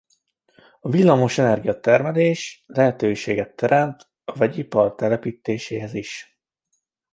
A villamos-energia termelés lehetőséget teremtett a vegyipar telepítéséhez is.